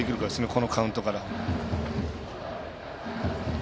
このカウントから。